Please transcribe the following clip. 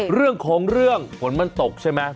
เรื่องของเรื่องฝนมันตกใช่ไหม